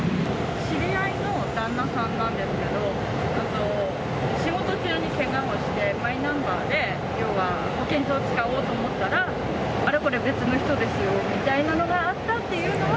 知り合いの旦那さんなんですけど、仕事中にけがをして、マイナンバーで、要は保険証を使おうと思ったら、あれ、これ、別の人ですよみたいなのはあったっていうのは。